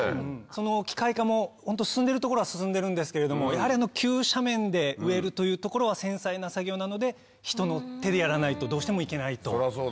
その機械化も進んでる所は進んでるんですけれどもやはり急斜面で植えるというところは繊細な作業なので人の手でやらないとどうしてもいけないと。